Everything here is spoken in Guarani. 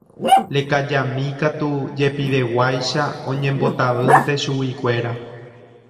Lekajami katu jepiveguáicha oñembotavýnte chuguikuéra.